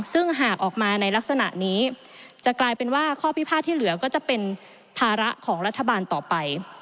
ซึ่งหากออกมาในลักษณะนี้จะกลายเป็นว่าข้อพิพาทที่เหลือก็จะเป็นภาระของรัฐบาลต่อไป